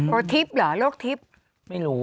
โลกทิพย์เหรอโลกทิพย์